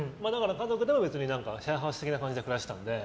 家族でもシェアハウス的な感じで暮らしてたので。